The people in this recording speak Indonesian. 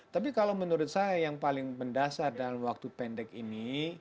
tapi kalau menurut saya yang paling mendasar dalam waktu pendek ini